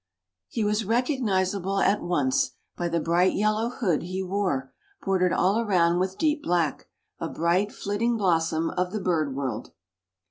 _) "He was recognizable at once by the bright yellow hood he wore, bordered all around with deep black. A bright, flitting blossom of the bird world!"